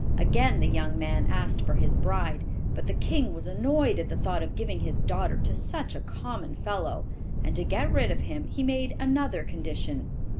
Again the young man asked for his bride, but the king was annoyed at the thought of giving his daughter to such a common fellow, and to get rid of him he made another condition.